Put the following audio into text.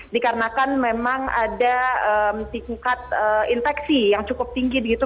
dikarenakan memang ada tingkat infeksi yang cukup tinggi begitu